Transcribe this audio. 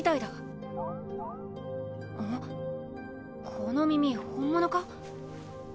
この耳本物か？